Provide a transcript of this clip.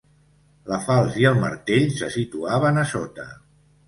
La falç i el martell se situaven a sota.